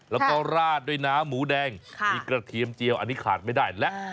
แล้วก็ราดด้วยน้ำหมูแดงมีกระเทียมเจียวอันนี้ขาดไม่ได้และ